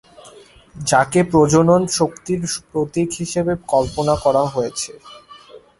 যাকে প্রজনন শক্তির প্রতীক হিসাবে কল্পনা করা হয়েছে।